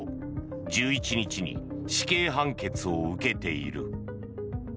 １１日に死刑判決を受けている。